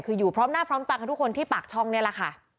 คืออยู่พร้อมหน้าพร้อมตากับทุกคนที่ปากช่องนี่แหละค่ะ